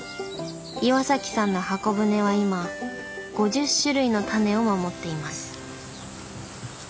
岩さんの箱舟は今５０種類のタネを守っています。